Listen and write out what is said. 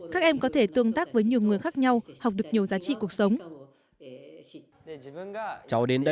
các em có thể tương tác với nhiều người khác nhau học được nhiều giá trị cuộc sống